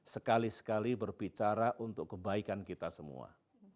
sekali sekali berbicara untuk kebaikan kita semua